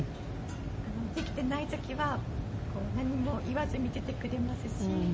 できてない時はこう何も言わず見ててくれますし。